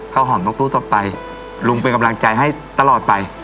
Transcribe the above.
ข้าวหอมนกสู้ต่อไปลุงเป็นกำลังใจให้ตลอดไป